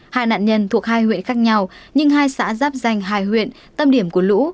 hai nạn nhân thuộc hai huyện khác nhau nhưng hai xã giáp danh hai huyện tâm điểm của lũ